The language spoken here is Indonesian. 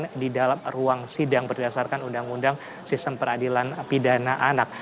yang di dalam ruang sidang berdasarkan undang undang sistem peradilan pidana anak